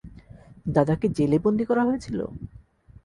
দাদাকে জেলে বন্দী করা হয়েছিল?